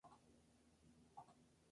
Ha destacado como actriz de telenovelas.